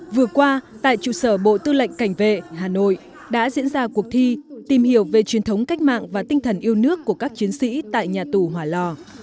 vừa qua tại trụ sở bộ tư lệnh cảnh vệ hà nội đã diễn ra cuộc thi tìm hiểu về truyền thống cách mạng và tinh thần yêu nước của các chiến sĩ tại nhà tù hỏa lò